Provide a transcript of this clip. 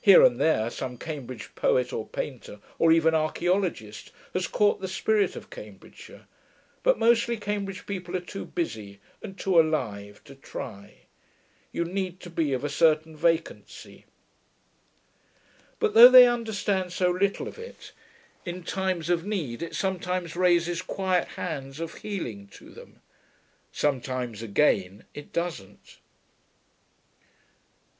Here and there some Cambridge poet, or painter, or even archæologist, has caught the spirit of Cambridgeshire; but mostly Cambridge people are too busy, and too alive, to try. You need to be of a certain vacancy.... But, though they understand so little of it, in times of need it sometimes raises quiet hands of healing to them. Sometimes, again, it doesn't.